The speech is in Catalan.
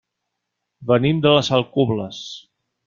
Venim de les Alcubles.